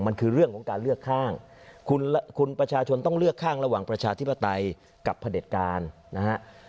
มันคือเรื่องของการเลือกข้างคุณประชาชนต้องเลือกข้างระหว่างประชาธิปไตยกับพระเด็จการนะฮะ